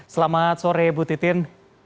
selamat sore bu titin